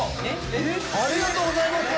ありがとうございます！